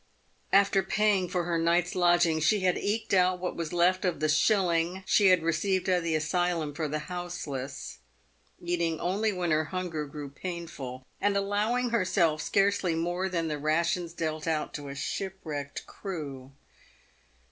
After paying for her night's lodging she had eked out what was left of the shilling she had received at the asylum for the houseless, PAVED WITH GOLD. 29 eating only when her hunger grew painful, and allowing herself scarcely more than the rations dealt out to a shipwrecked crew.